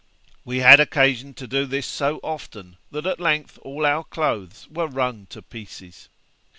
We had occasion to do this so often, that at length all our clothes were wrung to pieces.'